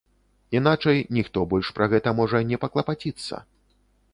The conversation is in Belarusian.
Іначай ніхто больш пра гэта можа не паклапаціцца.